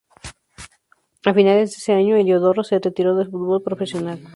A finales de ese año, Heliodoro se retiró del fútbol profesional.